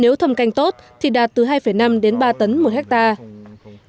nếu thâm canh tốt thì đạt từ hai năm đến ba tấn một hectare